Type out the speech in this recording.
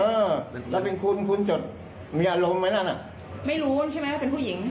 เออเราเป็นคุณคุณจดมีอารมณ์ไหมนั่นอ่ะไม่รู้ใช่ไหมว่าเป็นผู้หญิง